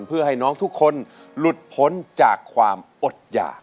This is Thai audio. เพื่อให้น้องทุกคนหลุดพ้นจากความอดหยาก